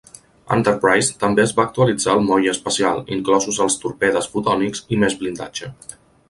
Enterprise també es va actualitzar al moll espacial, inclosos els torpedes "fotònics" i més blindatge.